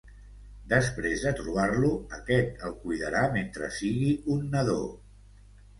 Després de trobar-lo, aquest el cuidarà mentre sigui un nadó.